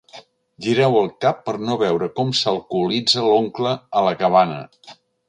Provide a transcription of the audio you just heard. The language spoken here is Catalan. Gireu el cap per no veure com s'alcoholitza l'oncle a la cabana.